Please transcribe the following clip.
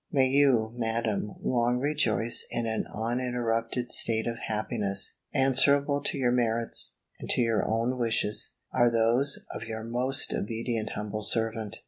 May you, Madam, long rejoice in an uninterrupted state of happiness, answerable to your merits, and to your own wishes, are those of your most obedient humble servant."